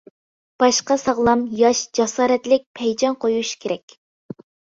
باشقا ساغلام، ياش، جاسارەتلىك پەيجاڭ قويۇش كېرەك.